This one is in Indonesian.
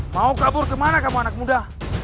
mau kabur kemana kamu anak muda